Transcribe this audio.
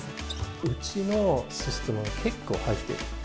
うちのシステムでは、結構入ってる。